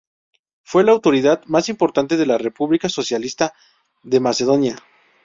Fue la autoridad más importante del República socialista de Macedonia.